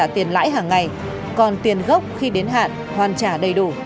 tiền lãi hàng ngày còn tiền gốc khi đến hạn hoàn trả đầy đủ